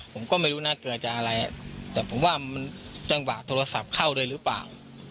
ผมก็ไม่รู้นะเกิดจากอะไรแต่ผมว่ามันจังหวะโทรศัพท์เข้าด้วยหรือเปล่า